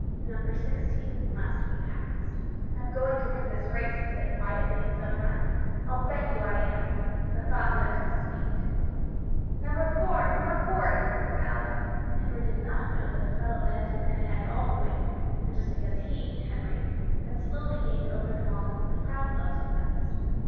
Number 16 must be passed. "I'm going to win this race!" he said quietly in his own mind. "I'll bet you I am!" The thought lent him speed. "Number 4! Number 4!" yelled the crowd. Henry did not know that the fellow ahead had been ahead all the way, and just because he Henry had slowly gained over them all, the crowd loved him best.